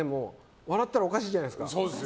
笑ったらおかしいじゃないですか。